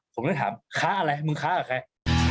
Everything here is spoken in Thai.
ผมเลยถามค่ะอะไรมึงค่ะกันใคร